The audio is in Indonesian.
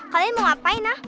kalian mau ngapain ah